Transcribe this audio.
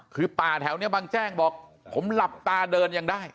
คือป่าแถวนี้บางแจ้งบอกผมหลับตาเดินยังได้